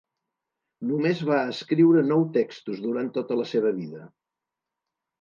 Només va escriure nou textos durant tota la seva vida.